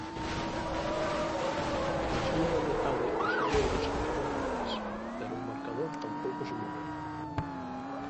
Na segunda metade os illeiros quedaron con dez, pero o marcador tampouco se moveu.